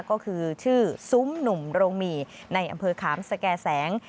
ก็คือชื่อซุ้มหนุ่มโรงหมี่ในอำเภอขามสแก่แสง